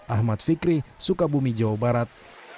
ahmad fikri sukabumi jawa barat